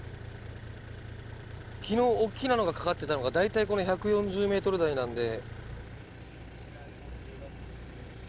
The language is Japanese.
昨日おっきなのがかかってたのが大体この１４０ｍ台なんで。